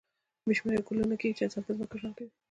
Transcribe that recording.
بې شمېره کلونه کېږي چې انسان پر ځمکه ژوند کوي.